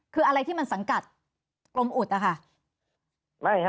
คืออะไรที่มันสังกัดกรมอุดนะคะ